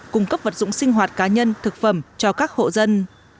cung cấp vật dụng sinh hoạt cá nhân thực phẩm cho các hộ dân